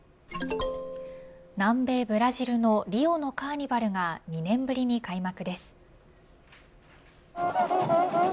南米ブラジルのリオのカーニバルが２年ぶりに開幕です。